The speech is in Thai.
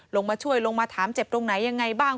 ลงมาช่วยลงมาถามเจ็บตรงไหนยังไงบ้าง